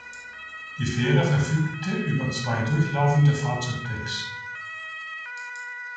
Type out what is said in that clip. Die Fähre verfügte über zwei durchlaufende Fahrzeugdecks.